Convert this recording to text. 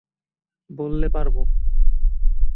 বললে, পারব।